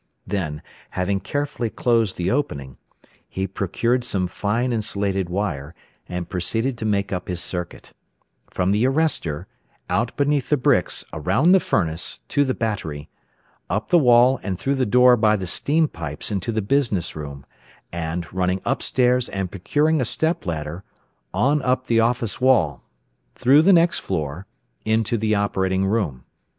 Then, having carefully closed the opening, he procured some fine insulated wire, and proceeded to make up his circuit: From the arrester, out beneath the bricks, around the furnace, to the battery; up the wall, and through the floor by the steam pipes into the business office; and, running up stairs and procuring a step ladder, on up the office wall, through the next floor, into the operating room.